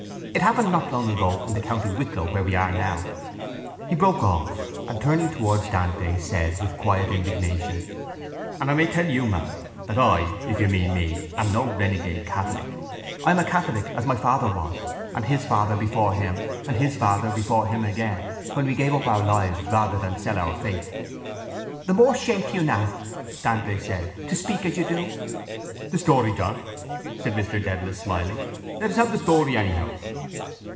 It happened not long ago in the county Wicklow where we are now. He broke off and, turning towards Dante, said with quiet indignation: —And I may tell you, ma'am, that I, if you mean me, am no renegade catholic. I am a catholic as my father was and his father before him and his father before him again when we gave up our lives rather than sell our faith. —The more shame to you now, Dante said, to speak as you do. —The story, John, said Mr Dedalus smiling. Let us have the story anyhow.